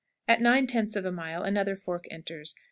At nine tenths of a mile another fork enters.